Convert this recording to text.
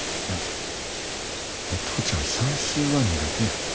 いやお父ちゃん算数は苦手や。